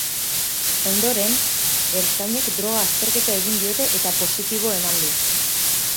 Ondoren, ertzainek droga azterketa egin diote eta positibo eman du.